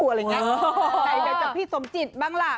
อะไรอย่างงี้แต่ใจจังทร์พี่สมจิตบ้างล่ะ